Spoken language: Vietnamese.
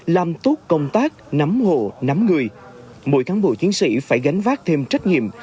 làm tốt công tác nắm hộ nắm người mỗi cán bộ chiến sĩ phải gánh vác thêm trách nhiệm